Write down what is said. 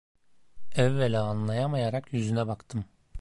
Evvela anlayamayarak yüzüne baktım.